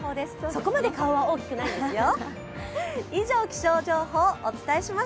そこまで顔は大きくないんですよ。